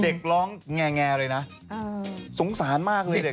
เด็กร้องแงร์เลยนะสงสารมากเลย